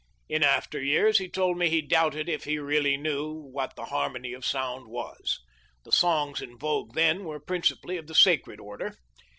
In after years he told me he doubted if he really knew what the har mony of sound was. The songs in vogue then were principally of the sacred order.